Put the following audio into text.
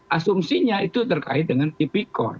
asumsinya itu terkait dengan tipikor